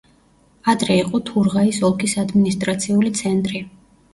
ადრე იყო თურღაის ოლქის ადმინისტრაციული ცენტრი.